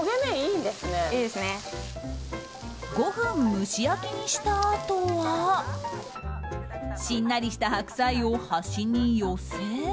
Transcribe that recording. ５分蒸し焼きにしたあとはしんなりした白菜を端に寄せ。